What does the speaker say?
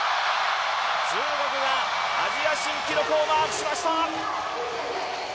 中国がアジア新記録をマークしました。